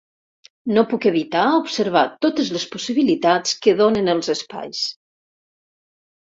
No puc evitar observar totes les possibilitats que donen els espais.